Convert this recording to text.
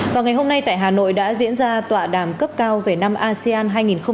vào ngày hôm nay tại hà nội đã diễn ra tọa đàm cấp cao về năm asean hai nghìn hai mươi